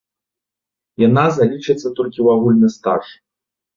Яна залічыцца толькі ў агульны стаж.